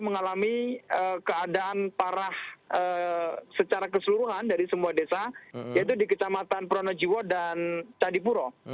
mengalami keadaan parah secara keseluruhan dari semua desa yaitu di kecamatan pronojiwo dan candipuro